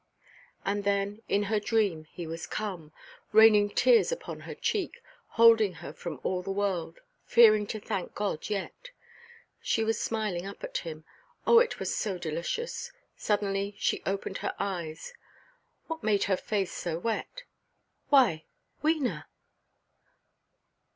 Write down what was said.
And then, in her dream, he was come—raining tears upon her cheek, holding her from all the world, fearing to thank God yet. She was smiling up at him; oh, it was so delicious! Suddenly she opened her eyes. What made her face so wet? Why, Wena!